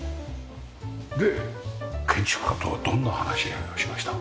で建築家とはどんな話し合いをしました？